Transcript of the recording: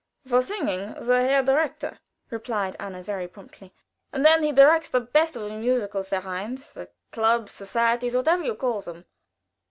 "For singing, the Herr Direktor," replied Anna, very promptly. "And then he directs the best of the musical vereins the clubs societies, whatever you name them.